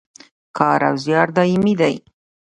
کار او زیار دایمي دی